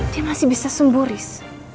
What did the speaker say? dia masih bisa sembuh riz